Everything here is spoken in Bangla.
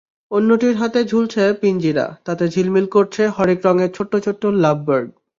অন্যটির হাতে ঝুলছে পিঞ্জিরা, তাতে ঝিলমিল করছে হরেক রঙের ছোট্ট ছোট্ট লাভবার্ড।